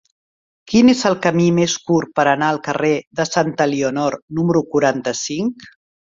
Quin és el camí més curt per anar al carrer de Santa Elionor número quaranta-cinc?